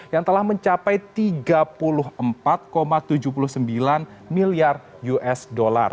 yang telah mencapai tiga puluh empat tujuh puluh sembilan miliar usd